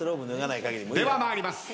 では参ります。